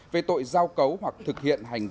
về tội giao cấu hoặc thực hiện hành vi xâm hại tình dục